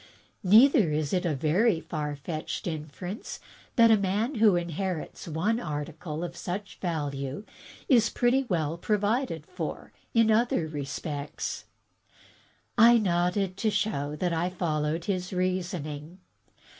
Neither is it a very far fetched inference that a man who inherits one article of such value is pretty well provided for in other respects." I nodded, to show that I followed his reasoning.